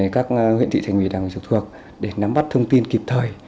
các huyện thị tỉnh ủy đảng trực thuộc để nắm bắt thông tin kịp thời